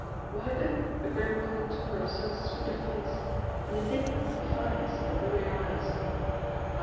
Why then the grim contour of so sweet a face, the indignant defiance in the brooding eyes?